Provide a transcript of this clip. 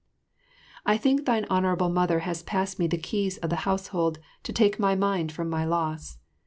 I think thine Honourable Mother has passed me the keys of the household to take my mind from my loss.